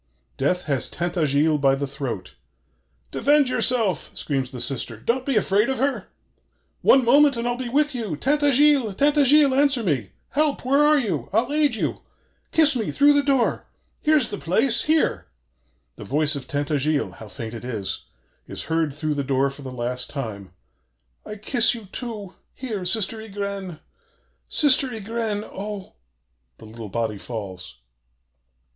Death has Tintagiles by the throat. 'Defend yourself!' screams the sister: 'don't be afraid of her! One moment and I'll be with you! Tintagiles? Tintagiles? Answer me! Help! Where are you? I'll aid you! kiss me! through the door! here's the place! here!' The voice of Tintagiles how faint it is! is heard through the door for the last time: 'I kiss you, too here Sister Ygraine! Sister Ygraine! Oh!' The little body falls.